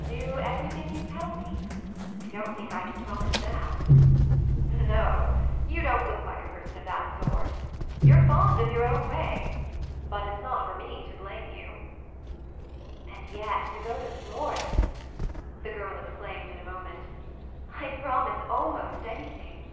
"Do everything you tell me? I don't think I can promise that." "No, you don't look like a person of that sort. You're fond of your own way; but it's not for me to blame you." "And yet, to go to Florence," the girl exclaimed in a moment, "I'd promise almost anything!"